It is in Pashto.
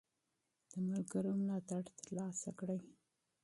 د ملګرو ملاتړ ترلاسه کړئ.